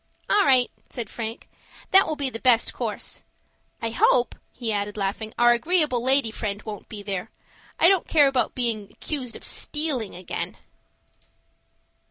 "All right," said Frank. "That will be the best course. I hope," he added, laughing, "our agreeable lady friend won't be there. I don't care about being accused of stealing again."